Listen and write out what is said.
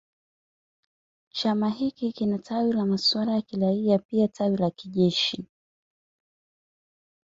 Chama hiki kina tawi la masuala ya kiraia na pia tawi la kijeshi.